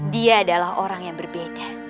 dia adalah orang yang berbeda